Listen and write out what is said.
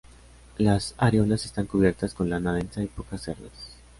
Las areolas están cubiertas con lana densa y pocas cerdas.